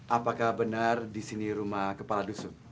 apakah benar disini rumah kepala dusun